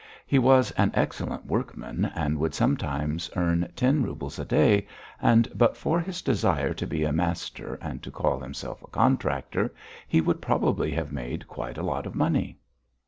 He was an excellent workman and would sometimes earn ten roubles a day, and but for his desire to be a master and to call himself a contractor, he would probably have made quite a lot of money.